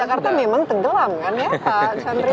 karena jakarta memang tergelam kan ya pak chandrian